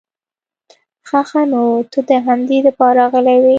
خه خه نو ته د همدې د پاره راغلې وې؟